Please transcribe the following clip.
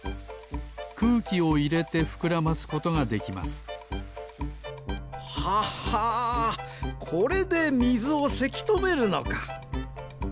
くうきをいれてふくらますことができますははこれでみずをせきとめるのか。